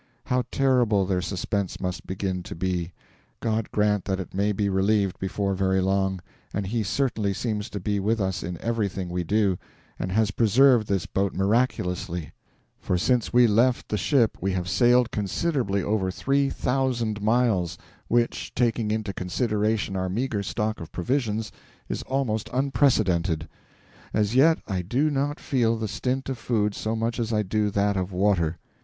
How terrible their suspense must begin to be! God grant that it may be relieved before very long, and He certainly seems to be with us in everything we do, and has preserved this boat miraculously; for since we left the ship we have sailed considerably over three thousand miles, which, taking into consideration our meagre stock of provisions, is almost unprecedented. As yet I do not feel the stint of food so much as I do that of water.